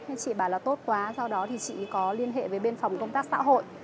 nên chị bảo là tốt quá sau đó thì chị có liên hệ với bên phòng công tác xã hội